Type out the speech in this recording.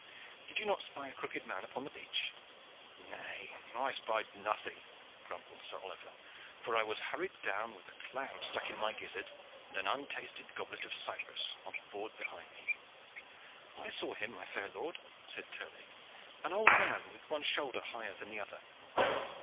Did you not spy a crooked man upon the beach?" "Nay, I spied nothing," grumbled Sir Oliver, "for I was hurried down with a clam stuck in my gizzard and an untasted goblet of Cyprus on the board behind me." "I saw him, my fair lord," said Terlake, "an old man with one shoulder higher than the other."